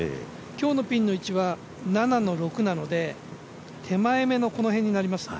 今日のピンの位置は７の６なので手前目の、この辺になります。